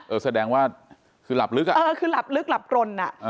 แสดงว่าคือหลับลึกอ่ะเออคือหลับลึกหลับกรนอ่ะ